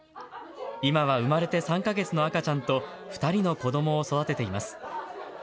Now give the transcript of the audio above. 今は生まれて３か月の赤ちゃんと、２人の子どもを育てています。